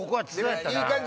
いい感じ！